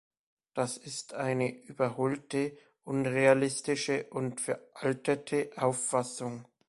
Das ist eine überholte, unrealistische und veraltete Auffassung.